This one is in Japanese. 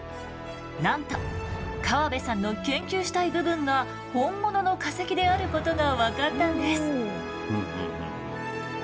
なんと河部さんの研究したい部分が本物の化石であることが分かったんです。